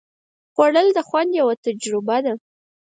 خوړل د خوند یوه تجربه ده